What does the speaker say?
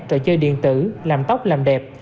trò chơi điện tử làm tóc làm đẹp